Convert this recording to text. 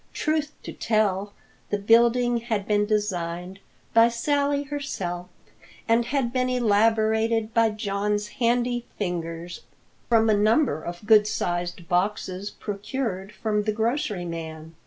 Truth to tell, the building had been designed by Sally herself, and had been elaborated by John's handy fingers from a number of good sized boxes procured from the grocery man.